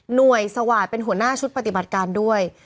หน่วยสวาสตร์เป็นหัวหน้าชุดปฏิบัติการด้วย